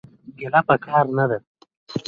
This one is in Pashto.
ګيله پکار نه ده.